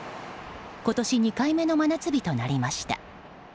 今年２回目の真夏日となりました。